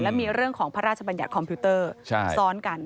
และมีเรื่องของพระราชบัญญัติคอมพิวเตอร์ซ้อนกัน